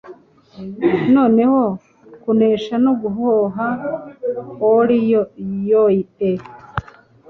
Noneho kuneha no guhoha o ii yoe